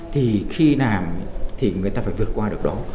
thì khi nào thì người ta phải vượt qua được đó